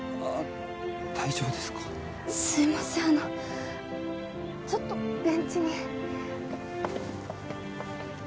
大丈夫ですか？すいませんあのちょっとベンチに